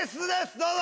どうぞ。